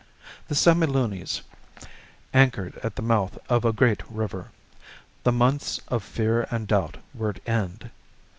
The Semilunis anchored at the mouth of a great river. The months of fear and doubt were at end.